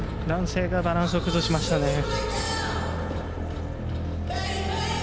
男性がバランスを崩しましたね。